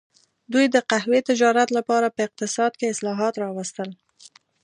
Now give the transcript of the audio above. دوی د قهوې تجارت لپاره په اقتصاد کې اصلاحات راوستل.